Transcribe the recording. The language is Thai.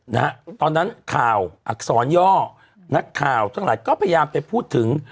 นะฮะตอนนั้นข่าวอักษรย่อนักข่าวทั้งหลายก็พยายามไปพูดถึง